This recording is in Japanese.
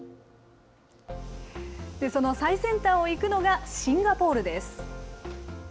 その最先端をいくのが、シンガポールです。